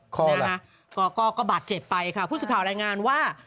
คอร์ไลน์ก็บาดเจ็บไปค่ะพูดสุข่าวแรงงานว่า